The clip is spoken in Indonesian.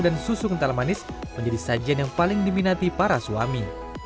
dan susu kental manis menjadi sajian yang paling diminati para suami